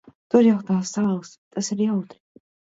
Tur jau tas sāls. Tas ir jautri.